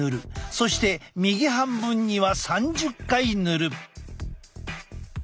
そして右半分には３０回塗る。